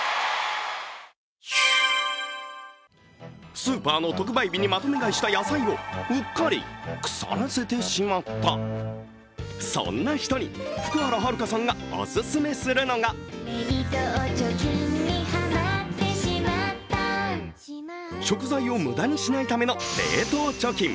スーパーの特売日にまとめ買いした野菜をうっかり腐らせてしまった、そんな人に、福原遥さんがオススメするのが食材を無駄にしないための冷凍貯金。